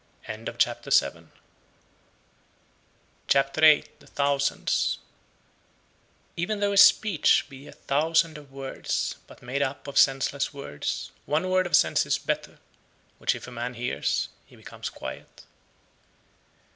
Chapter VIII. The Thousands 100. Even though a speech be a thousand (of words), but made up of senseless words, one word of sense is better, which if a man hears, he becomes quiet.